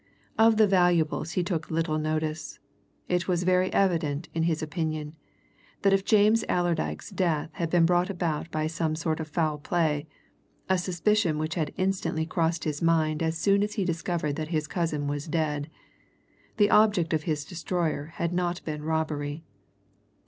Of the valuables he took little notice; it was very evident, in his opinion, that if James Allerdyke's death had been brought about by some sort of foul play a suspicion which had instantly crossed his mind as soon as he discovered that his cousin was dead the object of his destroyer had not been robbery.